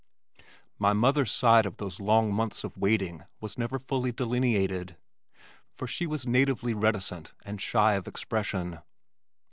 My mother's side of those long months of waiting was never fully delineated, for she was natively reticent and shy of expression.